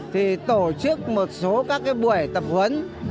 thì tổ chức một số các buổi tập huấn